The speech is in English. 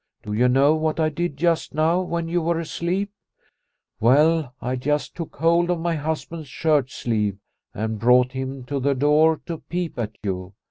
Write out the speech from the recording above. Do you know what I did just now when you were asleep ? Well, I just took hold of my husband's shirt sleeve and brought him to the door to peep at you.